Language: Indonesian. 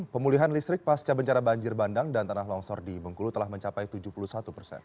pemulihan listrik pasca bencana banjir bandang dan tanah longsor di bengkulu telah mencapai tujuh puluh satu persen